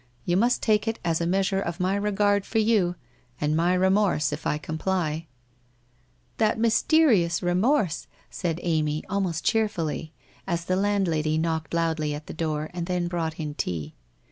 You must take it as a measure of my regard for you — and my re morse, if I comply/ ' That mysterious remorse !' said Amy almost cheerfully, as the landlady knocked loudly at the door, and then brought in tea.